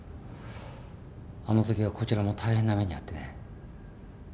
あのときはこちらも大変な目に遭ってね。